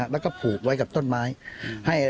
แล้วก็ผูกไว้กับต้นไม้